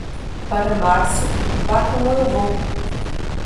Para março, vá como eu vou.